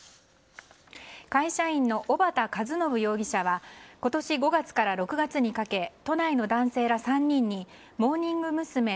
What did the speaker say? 会社員の小幡和伸容疑者は今年５月から６月にかけ都内の男性ら３人にモーニング娘。